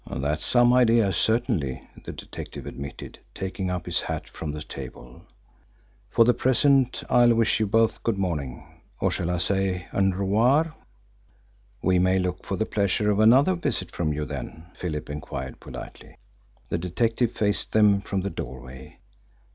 "That's some idea, certainly," the detective admitted, taking up his hat from the table. "For the present I'll wish you both good morning or shall I say an revoir?" "We may look for the pleasure of another visit from you, then?" Philip enquired politely. The detective faced them from the doorway.